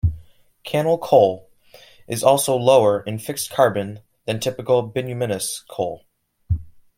Cannel coal is also lower in fixed carbon than typical bituminous coal.